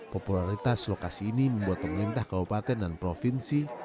popularitas lokasi ini membuat pemerintah kabupaten dan provinsi